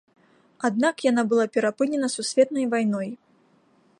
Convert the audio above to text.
Аднак яна была перапынена сусветнай вайной.